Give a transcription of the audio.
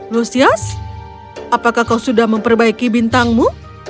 lusias apakah kau sudah memperbaiki bintangmu